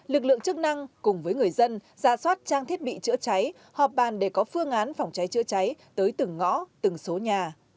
lực lượng chức năng cùng với người dân ra soát trang thiết bị chữa cháy họp bàn để có phương án phòng cháy chữa cháy tới từng ngõ từng số nhà